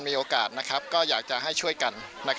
มีโอกาสก็อยากจะให้ช่วยกัน